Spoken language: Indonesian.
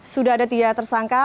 sudah ada tiga tersangka